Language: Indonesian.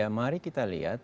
ya mari kita lihat